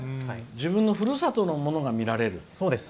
自分のふるさとのものが見られる。